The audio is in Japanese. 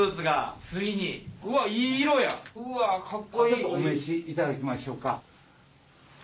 ちょっとお召しいただきましょうか。